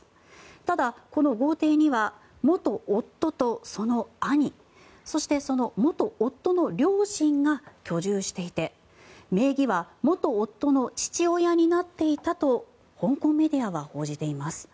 ただ、この豪邸には元夫とその兄そして、その元夫の両親が居住していて名義は元夫の父親になっていたと香港メディアは報じています。